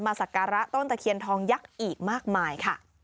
สักการะต้นตะเคียนทองยักษ์อีกมากมายค่ะ